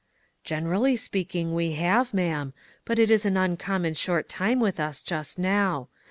" Generally speaking, we have, ma'am, but it is an uncommon short time with us just now.